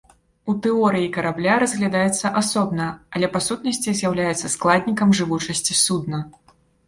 У тэорыі карабля разглядаецца асобна, але па сутнасці з'яўляецца складнікам жывучасці судна.